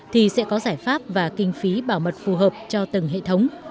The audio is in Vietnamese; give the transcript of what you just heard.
thì sẽ có giải pháp và kinh phí bảo mật phù hợp cho từng hệ thống